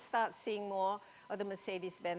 kita harus mulai melihat lebih banyak